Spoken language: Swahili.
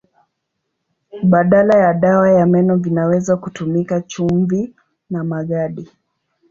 Badala ya dawa ya meno vinaweza kutumika chumvi na magadi.